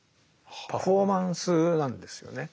パフォーマンスなんですよね。